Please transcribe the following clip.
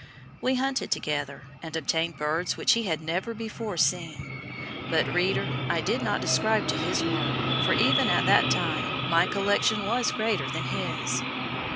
"We hunted together and obtained birds which he had never before seen; but, reader, I did not subscribe to his work, for, even at that time, my collection was greater than his.